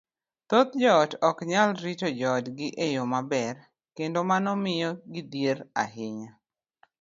thoth joot ok nyal rito joodgi e yo maber, kendo mano miyo gidhier ahinya.